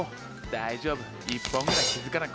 大丈夫１本ぐらい気付かない。